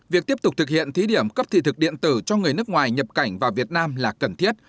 việc tiếp tục thực hiện thí điểm cấp thị thực điện tử cho người nước ngoài nhập cảnh vào việt nam là cần thiết